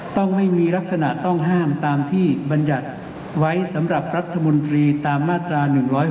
ต้องไม่มีลักษณะต้องห้ามตามที่บรรยัติไว้สำหรับรัฐมนตรีตามมาตรา๑๖